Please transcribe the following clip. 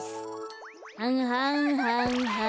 はんはんはんはん。